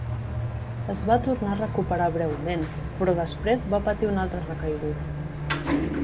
Es va tornar a recuperar breument, però després va patir una altra recaiguda.